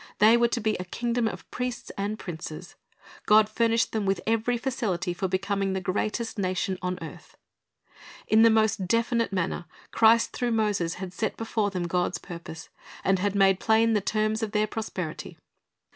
They were to be a kingdom of priests and princes. God furnished them with every facility for becoming the greatest nation on the earth. In the most definite manner Christ through Moses had set before them God's purpose, and had made plain the terms of their prosperity.